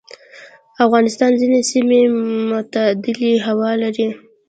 افغانستان ځینې سیمې معتدلې هوا لري.